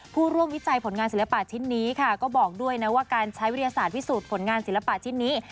ผู้ร่วมวิจัยผลงานศิลปะชิ้นนี้ค่ะก็บอกด้วยนะว่าการใช้วิทยาศาสตร์พิสูจน์ผลงานศิลปะชิ้นนี้